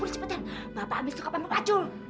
udah cepetan bapak ambil sop pampung pacul